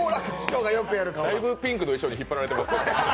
だいぶピンクの衣装に引っ張られてますけど。